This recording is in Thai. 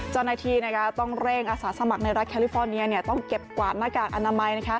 เจ้าหน้าที่ต้องเร่งอาสาสมัครในรัฐแคลิฟอร์เนียต้องเก็บกวาดหน้ากากอนามัย